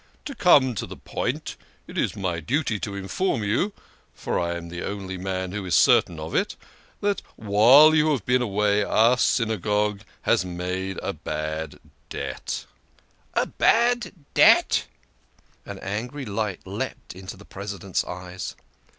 " To come to the point, it is my duty to inform you (for I am the only man who is certain of it) that while you have been away our Synagogue has made a bad debt !" THE KING OF SCHNORRERS. 137 " A bad debt !" An angry light leapt into the Presi dent's eyes.